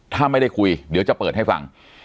ถ้าไม่ได้คุยเดี๋ยวจะเปิดให้ฟัง